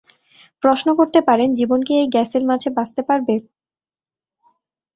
প্রশ্ন করতে পারেন, জীবন কী এই গ্যাসের মাঝে বাচতে পারবে?